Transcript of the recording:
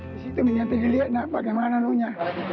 di situ mencari lihat bagaimana lunya